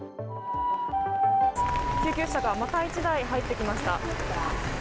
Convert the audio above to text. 救急車がまた１台、入ってきました。